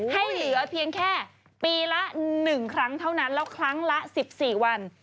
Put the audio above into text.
ให้เหลือเพียงแค่ปีละ๑ครั้งเท่านั้นแล้วครั้งละ๑๔วัน